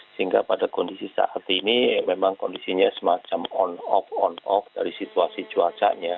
sehingga pada kondisi saat ini memang kondisinya semacam on off on off dari situasi cuacanya